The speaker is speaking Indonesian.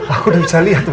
aku udah bisa lihat mak